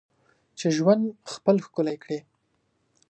چې ژوند خپل ښکلی کړې.